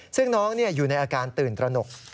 ซึ่งน้องอยู่ในอาการตื่นตระหนก